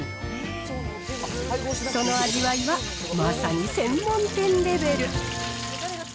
その味わいは、まさに専門店レベル。